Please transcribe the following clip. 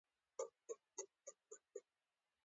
د عصري برخې پرمختګ د سنتي برخې له برکته و.